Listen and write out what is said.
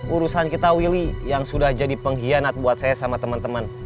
urusan kita willy yang sudah jadi pengkhianat buat saya sama teman teman